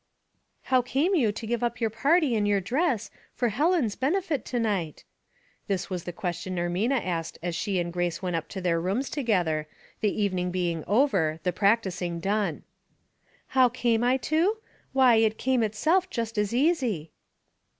*' How came you to give up your party and your dress, for Helen's benefit to night?" This was the question Ermina asked as she and Grace went up to their rooms together, the evening being over, the practicing done. ''How came I to? Why, it came itself just as easy."